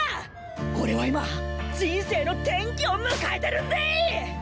俺は今人生の転機を迎えてるんでい！